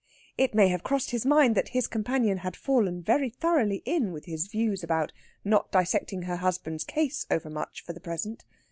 It may have crossed his mind that his companion had fallen very thoroughly in with his views about not dissecting her husband's case overmuch for the present.